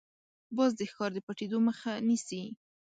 باز د ښکار د پټېدو مخه نیسي